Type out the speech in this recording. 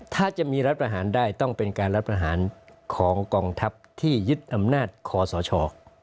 ถ้าจะมีรัฐประหารได้ต้องเป็นการรัฐประหารของกองทัพที่ยึดอำนาจคอสช